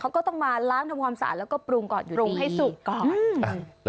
เขาก็ต้องมาล้างทำความสะอาดแล้วก็ปรุงก่อนอยู่ปรุงให้สุกก่อนอืม